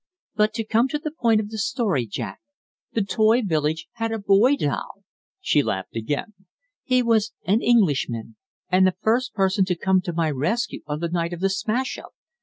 "But to come to the point of the story, Jack, the toy village had a boy doll!" She laughed again. "He was an Englishman and the first person to come to my rescue on the night of the smash up.